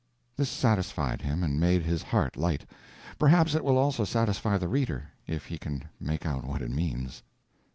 This satisfied him, and made his heart light. Perhaps it will also satisfy the reader—if he can make out what it means.